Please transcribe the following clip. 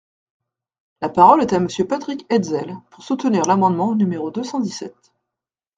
La parole est à Monsieur Patrick Hetzel, pour soutenir l’amendement numéro deux cent dix-sept.